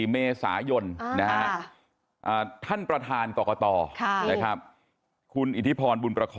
มาดูหลายที่นะ